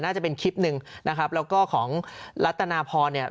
น่าจะเป็นคลิปหนึ่งนะครับแล้วก็ของรัตนาพรเนี่ย